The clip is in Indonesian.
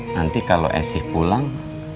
nanti kalau istri pulang